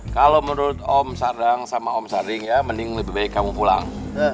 kalau menurut om sadang sama om saring ya mending lebih baik kamu pulang